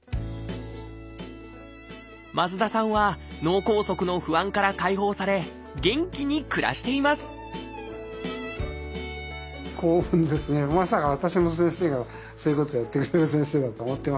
増田さんは脳梗塞の不安から解放され元気に暮らしていますよかった。